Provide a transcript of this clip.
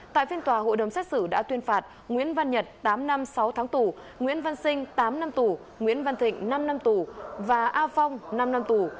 tại phiên tòa hội đồng xét xử đã tuyên phạt nguyễn văn nhật tám năm sáu tháng tù nguyễn văn sinh tám năm tù nguyễn văn thịnh năm năm tù và a phong năm năm tù